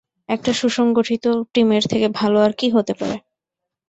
একটা সুসংগঠিত টিমের থেকে ভালো আর কী হতে পারে।